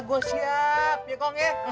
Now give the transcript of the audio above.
gue siap ya kong ya